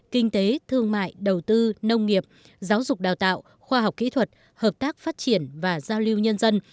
kinh tế thương mại đầu tư nông nghiệp giáo dục đào tạo khoa học kỹ thuật hợp tác phát triển và giao lưu nhân dân